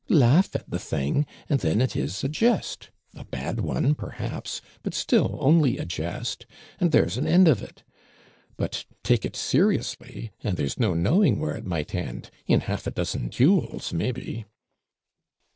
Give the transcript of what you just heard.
Laugh at the thing, and then it is a jest a bad one, perhaps, but still only a jest and there's an end of it; but take it seriously, and there is no knowing where it might end in half a dozen duels, maybe.'